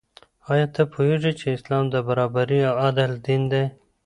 آیا ته پوهېږې چې اسلام د برابرۍ او عدل دین دی؟